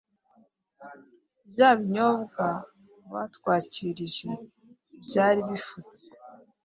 Bya binyobwa batwakirije byari bifutse.